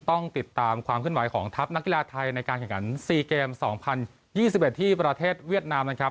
ต้องติดตามความขึ้นไหวของทัพนักกีฬาไทยในการแข่งขัน๔เกม๒๐๒๑ที่ประเทศเวียดนามนะครับ